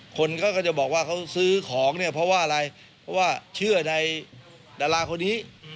คนก็จะบอกว่าเขาซื้อของเนี่ยเพราะว่าอะไรเพราะว่าเชื่อในดาราคนนี้